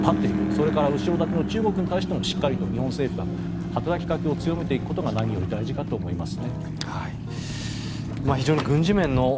そして、後ろ盾の中国に対しても日本政府が働きかけを強めていくことが何より大事かと思います。